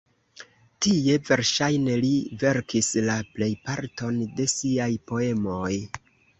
Tie, verŝajne, li verkis la plejparton de siaj poemoj.